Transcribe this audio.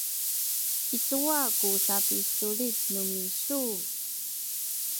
i cuwa ku sapisulit nu misu?